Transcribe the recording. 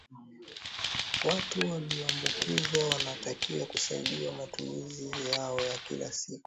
watu waliyoambukizwa wanatakiwa kusaidiwa matumizi yao ya kila siku